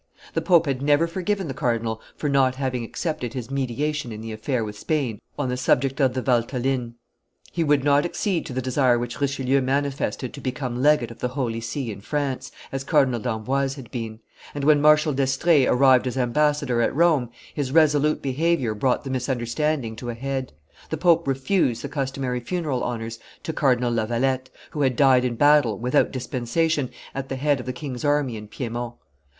The pope had never forgiven the cardinal for not having accepted his mediation in the affair with Spain on the subject of the Valteline; he would not accede to the desire which Richelieu manifested to become legate of the Holy See in France, as Cardinal d'Amboise had been; and when Marshal d'Estrees arrived as ambassador at Rome, his resolute behavior brought the misunderstanding to a head: the pope refused the customary funeral honors to Cardinal La Valette, who had died in battle, without dispensation, at the head of the king's army in Piedmont.